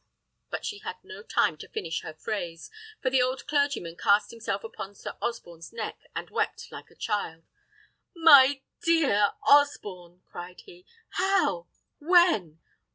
But she had no time to finish her phrase, for the old clergyman cast himself upon Sir Osborne's neck, and wept like a child. "My dear Osborne!" cried he, "how? when?